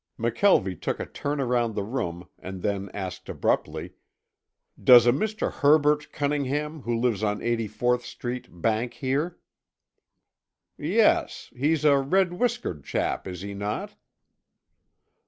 McKelvie took a turn around the room and then asked abruptly, "Does a Mr. Herbert Cunningham, who lives on 84th Street, bank here?" "Yes. He's a red whiskered chap, is he not?"